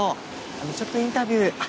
あのちょっとインタビュー。